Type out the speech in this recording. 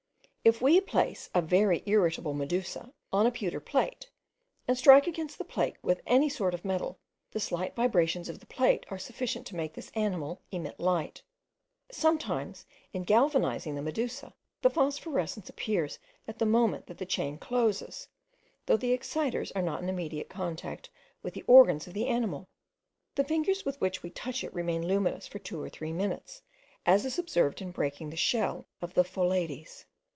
If we place a very irritable medusa on a pewter plate, and strike against the plate with any sort of metal, the slight vibrations of the plate are sufficient to make this animal emit light. Sometimes, in galvanising the medusa, the phosphorescence appears at the moment that the chain closes, though the exciters are not in immediate contact with the organs of the animal. The fingers with which we touch it remain luminous for two or three minutes, as is observed in breaking the shell of the pholades.